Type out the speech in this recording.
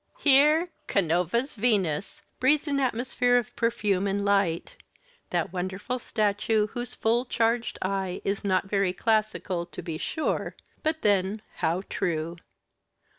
Here Canova's Venus breathed an atmosphere of perfume and of light that wonderful statue whose full charged eye is not very classical, to be sure but then, how true!